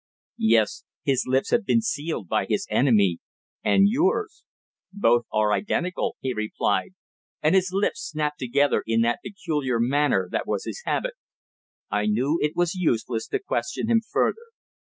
"Yes. His lips have been sealed by his enemy and yours. Both are identical," he replied, and his lips snapped together in that peculiar manner that was his habit. I knew it was useless to question him further.